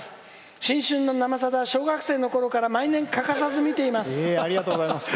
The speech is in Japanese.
新春の「生さだ」を小学校のころから毎年、欠かさず見ています。